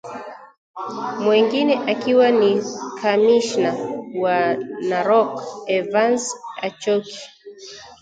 mwengine akiwa ni kamishna wa Narok Evance Ochoki